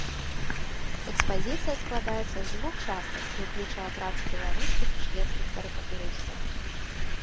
Экспазіцыя складаецца з дзвюх частак і ўключае працы беларускіх і шведскіх карыкатурыстаў.